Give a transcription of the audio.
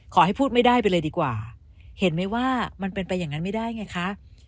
ขอให้พูดไม่ได้ไปเลยดีกว่าเห็นไหมว่ามันเป็นไปอย่างนั้นไม่ได้ไงคะ